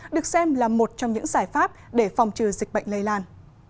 được xem là một trong những giải pháp để phòng trừ dịch bệnh lây lan